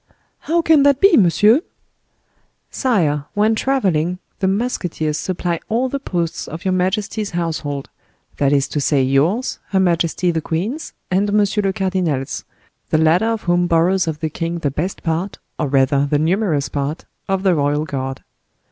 "How can that be, monsieur?" "Sire, when traveling, the musketeers supply all the posts of your majesty's household; that is to say, yours, her majesty the queen's, and monsieur le cardinal's, the latter of whom borrows of the king the best part, or rather the numerous part, of the royal guard."